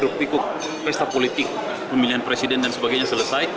untuk pesta politik pemilihan presiden dan sebagainya selesai